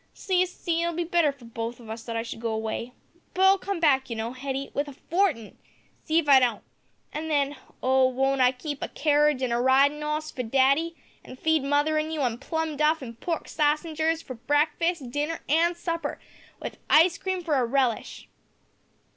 So, you see, it'll be better for both of us that I should go away. But I'll come back, you know, Hetty, with a fortin see if I don't an' then, oh! won't I keep a carridge an' a ridin' 'oss for daddy, an' feed mother an' you on plum duff an' pork sassengers to breakfast, dinner, an' supper, with ice cream for a relish!"